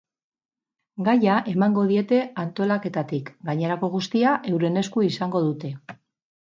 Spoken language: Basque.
Gaia emango diete antolaketatik, gainerako guztia euren esku izango dute.